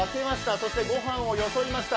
そしてご飯をよそいました。